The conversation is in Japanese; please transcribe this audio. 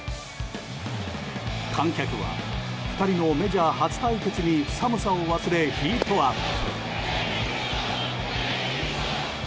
観客は２人のメジャー初対決に寒さを忘れヒートアップ。